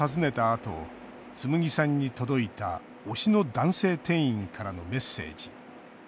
あとつむぎさんに届いた推しの男性店員からのメッセージ。